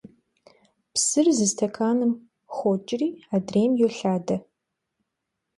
Psır zı stekanım khoç'ri adrêym yolhade.